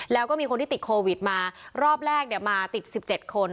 แล้วก็มีคนที่ติดโควิดมารอบแรกเนี่ยมาติด๑๗คน